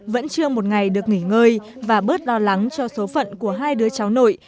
vẫn chưa một ngày được nghỉ ngơi và bớt lo lắng cho số phận của hai đứa cháu nội